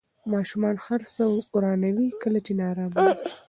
ماشومان هر څه ورانوي کله چې نارامه وي.